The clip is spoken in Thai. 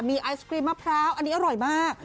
มีไอศครีมมะพร้าวอันนี้อร่อยมาก